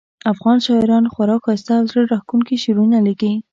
افغان شاعران خورا ښایسته او زړه راښکونکي شعرونه لیکي